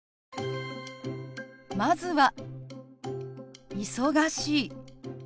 まずは「忙しい」。